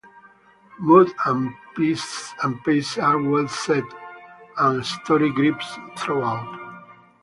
Mood and pace are well set, and story grips throughout.